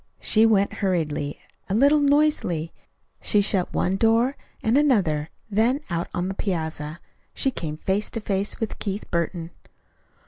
She went hurriedly, a little noisily. She shut one door, and another; then, out on the piazza, she came face to face with Keith Burton.